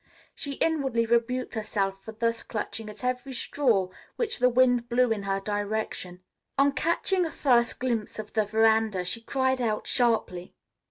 She inwardly rebuked herself for thus clutching at every straw which the wind blew in her direction. On catching a first glimpse of the veranda, she cried out sharply.